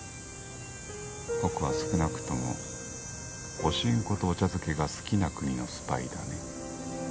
僕は少なくともお新香とお茶漬けが好きな国のスパイだね。